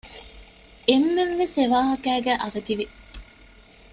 އެންމެންވެސް އެވާހަކައިގައި އަވަދިވި